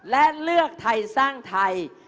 และเลือกไทยสร้างไทย